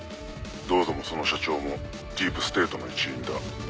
「ＤＯＵＺＯ」もその社長もディープステートの一員だ。